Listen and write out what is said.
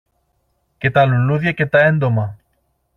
και τα λουλούδια και τα έντομα.